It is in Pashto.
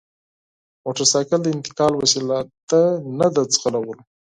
موټرسایکل د انتقال وسیله ده نه د ځغلولو!